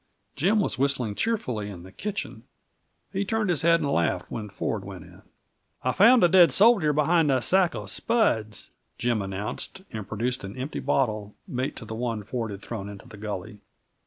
Jim was whistling cheerfully in the kitchen. He turned his head and laughed when Ford went in. "I found a dead soldier behind the sack of spuds," Jim announced, and produced an empty bottle, mate to the one Ford had thrown into the gully.